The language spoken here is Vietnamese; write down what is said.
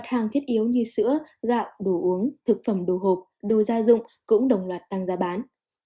các hàng thiết yếu như sữa gạo đồ uống thực phẩm đồ hộp đồ gia dụng cũng đồng loạt tăng giá bán